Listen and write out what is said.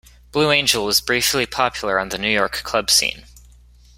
Blue Angel was briefly popular on the New York club scene.